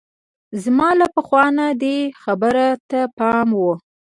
زما له پخوا نه دې خبرې ته پام وو.